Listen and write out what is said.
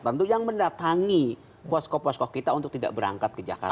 tentu yang mendatangi posko posko kita untuk tidak berangkat ke jakarta